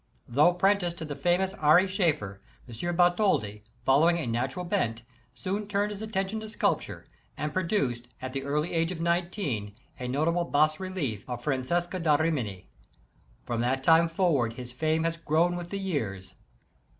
Though apprenticed to the famous Ary Scheffer, M. Bartholdi, following a natural bent, soon turned his attention to sculpture, and produced, at the early age of 19, a notable bas relief of Francesca da Rimini. From that time forward his fame has grown with the years.